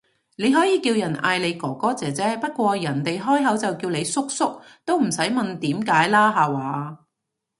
你可以叫人嗌你哥哥姐姐，不過人哋開口就叫你叔叔，都唔使問點解啦下話